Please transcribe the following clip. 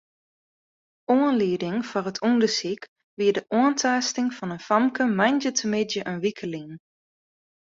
Oanlieding foar it ûndersyk wie de oantaasting fan in famke moandeitemiddei in wike lyn.